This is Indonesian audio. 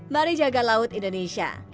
mari jaga laut indonesia